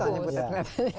ya langsung aja budak budak